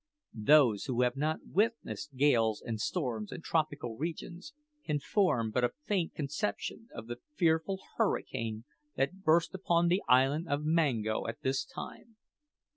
Those who have not witnessed gales and storms in tropical regions can form but a faint conception of the fearful hurricane that burst upon the island of Mango at this time.